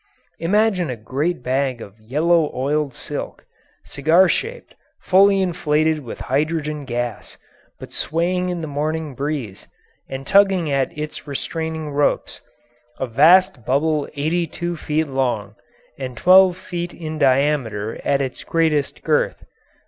Imagine a great bag of yellow oiled silk, cigar shaped, fully inflated with hydrogen gas, but swaying in the morning breeze, and tugging at its restraining ropes: a vast bubble eighty two feet long, and twelve feel in diameter at its greatest girth.